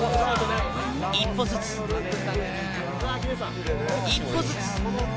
一歩ずつ一歩ずつ。